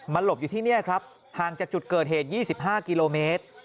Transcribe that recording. มันหลบอยู่ที่เนี่ยครับห่างจากจุดเกิดเหตุยี่สิบห้ากิโลเมตร